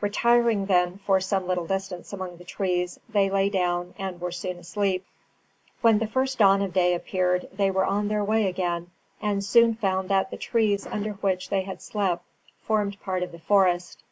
Retiring then for some little distance among the trees, they lay down and were soon asleep. When the first dawn of day appeared they were on their way again, and soon found that the trees under which they had slept formed part of the forest.